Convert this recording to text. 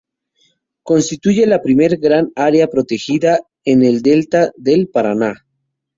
Constituye la primera gran área protegida en el delta del Paraná.